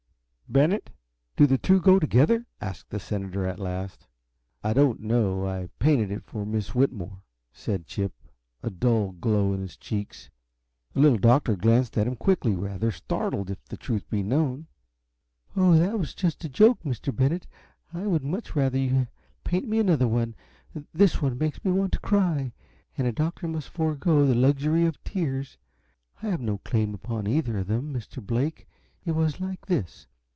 "Bennett, do the two go together?" asked the senator, at last. "I don't know I painted it for Miss Whitmore," said Chip, a dull glow in his cheeks. The Little Doctor glanced at him quickly, rather startled, if the truth be known. "Oh, that was just a joke, Mr. Bennett. I would much rather have you paint me another one this one makes me want to cry and a doctor must forego the luxury of tears. I have no claim upon either of them, Mr. Blake. It was like this.